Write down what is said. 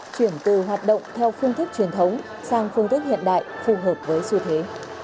chuyển từ hoạt động theo phương thức truyền thống sang phương thức hiện đại phù hợp với xu thế